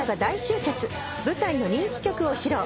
舞台の人気曲を披露。